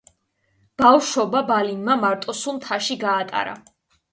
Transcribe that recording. ბავშვობა ბალინმა მარტოსულ მთაში გაატარა.